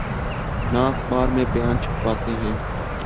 نہ اخبار میں بیان چھپواتے ہیں۔